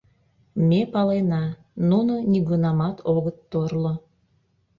Ме палена: нуно нигунамат огыт торло.